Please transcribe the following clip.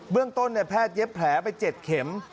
เรื่องต้นแพทย์เย็บแผลไป๗เข็ม